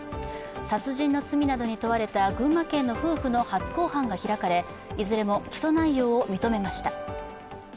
殺人の罪などに問われた群馬県の夫婦の初公判が開かれ、いずれも起訴内容を認めました。